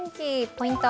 ポイント